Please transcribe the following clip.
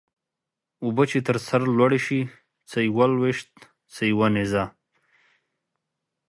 اوبه چې تر سر لوړي سي څه يوه لويشت څه يو نيزه.